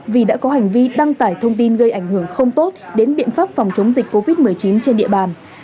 vì đã có hành vi đăng tải thông tin gây ảnh hưởng không tốt đến biện pháp phòng chống dịch covid một mươi chín trên địa bàn